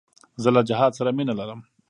زه له جهاد سره مینه لرم.